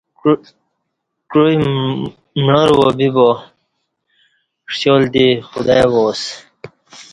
کوعی معاروا بِبا ݜیال دی خدای وا اسہ